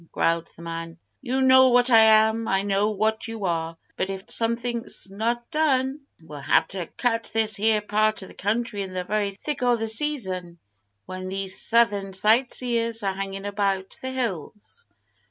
growled the man. "You know wot I am, and I knows wot you are. But if something's not done, we'll have to cut this here part o' the country in the very thick o' the season, when these southern sightseers are ranging about the hills."